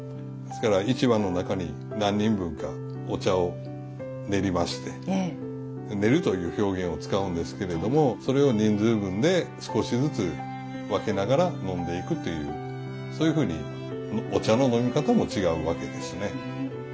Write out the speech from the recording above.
ですから一碗の中に何人分かお茶を練りまして「練る」という表現を使うんですけれどもそれを人数分で少しずつ分けながら飲んでいくというそういうふうにお茶の飲み方も違うわけですね。